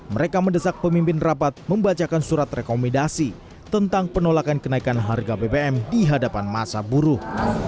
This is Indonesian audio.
mereka mendesak pemimpin rapat membacakan surat rekomendasi tentang penolakan kenaikan harga bbm di hadapan masa buruh